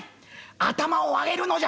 頭を上げるのじゃ」。